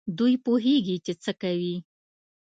دوی پوهېږي چي څه کوي.